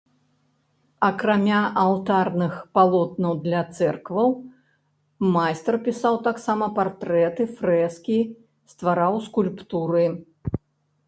Акрамя алтарных палотнаў для цэркваў, майстар пісаў таксама партрэты, фрэскі, ствараў скульптуры.